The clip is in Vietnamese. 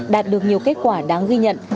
đạt được nhiều kết quả đáng ghi nhận